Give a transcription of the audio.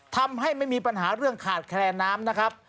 ทำให้ไม่มีปัญหาเรื่องขาดแครยน้ำ